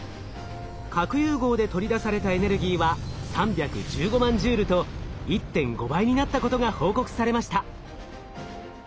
核融合で取り出されたエネルギーは３１５万ジュールと１．５倍になったことが報告されました。